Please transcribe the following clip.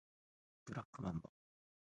ブラックマンバ